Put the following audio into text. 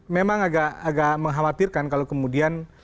memang agak mengkhawatirkan kalau kemudian